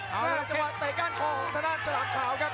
แหละจังหวัดเตะกั้นห้องของธนาจฝรั่งขาวครับ